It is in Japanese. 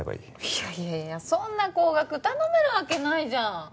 いやいやいやそんな高額頼めるわけないじゃん。